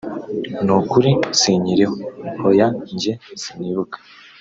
nukuri sinkiriho hoya njye sinibuka